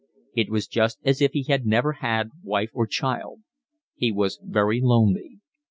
It was just as if he had never had wife or child. He was very lonely.